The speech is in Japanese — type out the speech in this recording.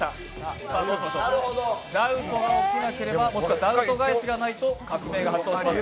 ダウトがなければ、もしくはダウト返しがないと革命が発動します。